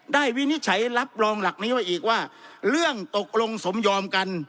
วินิจฉัยรับรองหลักนี้ไว้อีกว่าเรื่องตกลงสมยอมกัน